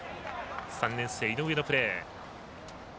３年生、井上のプレー。